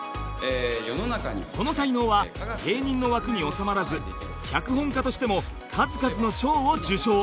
その才能は芸人の枠に収まらず脚本家としても数々の賞を受賞